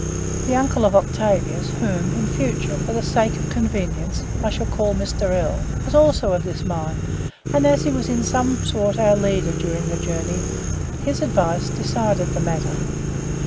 The uncle of Octavius whom, in future, for the sake of convenience, I shall call Mr. L , was also of this mind, and as he was in some sort our leader during the journey, his advice decided the matter.